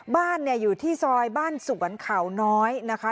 บ้านอยู่ที่ซอยบ้านสวนเขาน้อยนะคะ